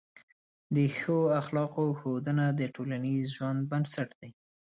د ښه اخلاقو ښودنه د ټولنیز ژوند بنسټ دی.